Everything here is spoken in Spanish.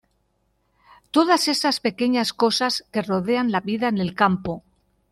Todas esas pequeñas cosas que rodean la vida en el campo.